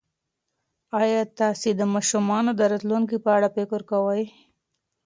ایا تاسي د ماشومانو د راتلونکي په اړه فکر کوئ؟